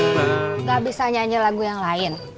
tidak bisa nyanyi lagu yang lain